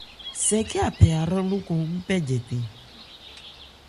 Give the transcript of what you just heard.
Sɛ khɛ́n a phɛ ahrân lókɔn ń pɛ jɛtɛ̂n.